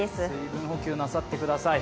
水分補給なさってください。